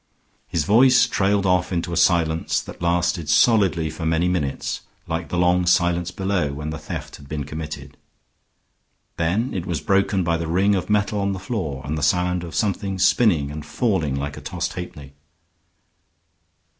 His voice trailed off into a silence that lasted solidly for many minutes, like the long silence below when the theft had been committed. Then it was broken by the ring of metal on the floor, and the sound of something spinning and falling like a tossed halfpenny.